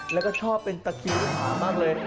และก็ชอบเป็นตะกี้รักษามากเลย